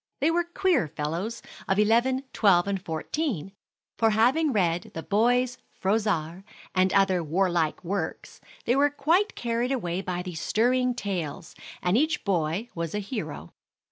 They were queer fellows, of eleven, twelve, and fourteen; for, having read the "Boys' Froissart" and other warlike works, they were quite carried away by these stirring tales, and each boy was a hero.